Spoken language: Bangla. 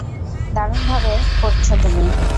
দারুণভাবে করছো তুমি।